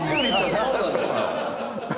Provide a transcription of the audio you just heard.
そうなんですか！？